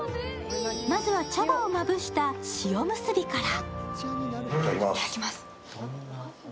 まずは、茶葉をまぶしたしおむすびから。